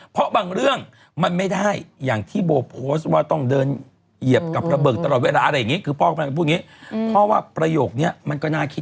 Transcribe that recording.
เพราะบางเรื่องมันไม่ได้อย่างที่โบโพสต์ว่าต้องเดินเหยียบกับระเบิกตลอดเวลาอะไรอย่างนี้